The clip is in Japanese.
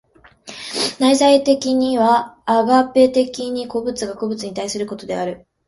内在的にはアガペ的に個物が個物に対することである。